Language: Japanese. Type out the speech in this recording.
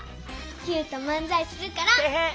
キューとまんざいするから。てへっ。